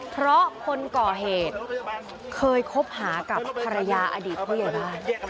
เพราะคนก่อเหตุเคยคบหากับภรรยาอดีตผู้ใหญ่บ้าน